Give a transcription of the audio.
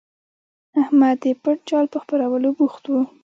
احمد د پټ جال په خپرولو بوخت وو.